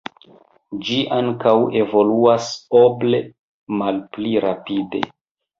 Ĝi ankaŭ evoluas oble malpli rapide.